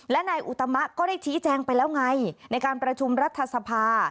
และนายอุตมะก็ได้ชี้แจงไปแล้วไงในการประชุมรัฐสภา